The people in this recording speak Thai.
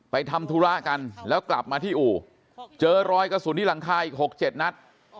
ทำธุระกันแล้วกลับมาที่อู่เจอรอยกระสุนที่หลังคาอีก๖๗นัด